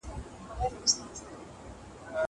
دا سندري له هغه خوږه ده.